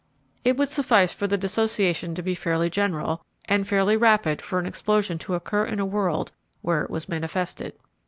It would suffice for the dissociation to be fairly general and fairly rapid for an explosion to occur in a world where it was manifested.